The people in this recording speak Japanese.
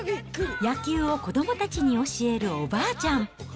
野球を子どもたちに教えるおばあちゃん。